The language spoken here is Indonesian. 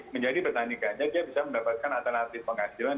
menjadi petani ganja dia bisa mendapatkan alternatif penghasilan